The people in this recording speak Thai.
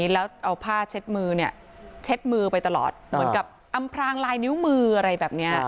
แล้วเอาผ้าเช็ดมือเนี่ยเช็ดมือไปตลอดเหมือนกับอำพลางลายนิ้วมืออะไรแบบนี้